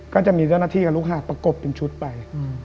ก็จะมีเจ้าหน้าที่กับลูกหาประกบเป็นชุดไป